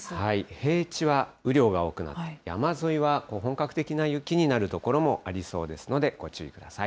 平地は雨量が多くなって、山沿いは本格的な雪になる所もありそうですのでご注意ください。